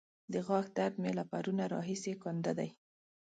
د غاښ درد مې له پرونه راهسې کنده دی.